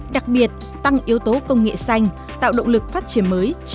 đặc biệt tăng yếu tố công nghệ xanh tạo động lực phát triển mới trên đất nước